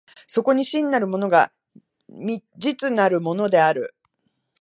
そこに真なるものが実なるものである。